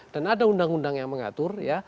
dan ada undang undang yang mengatur ya